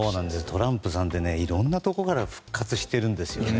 トランプさんっていろんなところから復活してるんですよね。